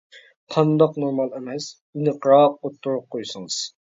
قانداق نورمال ئەمەس، ئېنىقراق ئوتتۇرىغا قويسىڭىز.